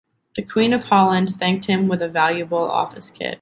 The Queen of Holland thanked him with a valuable office kit.